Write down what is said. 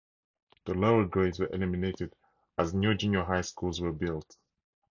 The lower grades were eliminated as new junior high schools were built.